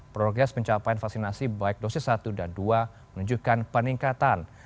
progres pencapaian vaksinasi baik dosis satu dan dua menunjukkan peningkatan